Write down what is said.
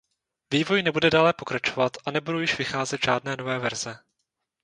Vývoj nebude dále pokračovat a nebudou již vycházet žádné nové verze.